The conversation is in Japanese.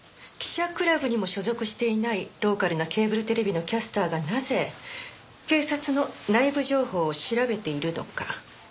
記者クラブにも所属していないローカルなケーブルテレビのキャスターがなぜ警察の内部情報を調べているのか。